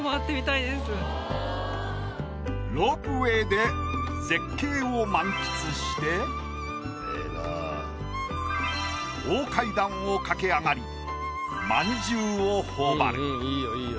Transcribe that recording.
ロープウェイで絶景を満喫して大階段を駆け上がりまんじゅうを頬張る。